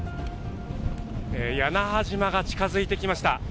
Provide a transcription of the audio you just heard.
屋那覇島が近づいてきました。